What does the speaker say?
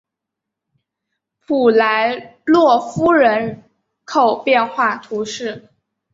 普莱洛夫人口变化图示